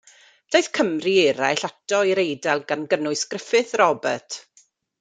Daeth Cymry eraill ato i'r Eidal, gan gynnwys Gruffydd Robert.